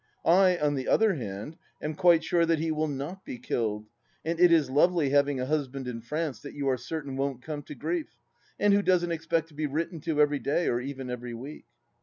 I, on the other hand, am quite sure that he will not be killed, and it is lovely having a husband in France that you are certain won't come to grief, and who doesn't expect to be written to every day, or even every week.